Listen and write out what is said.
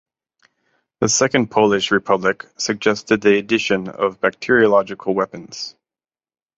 The Second Polish Republic suggested the addition of bacteriological weapons.